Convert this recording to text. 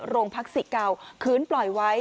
โรงพักษีเก่าคืนปล่อยไว้